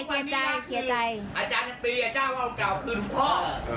อาจารย์อัตรีน้องเปล่าน๑๙๖๕คือหลุงพ่อนัททื้อ